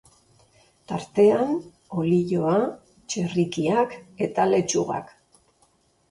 Tartean, olioa, txerrikiak eta letxugak.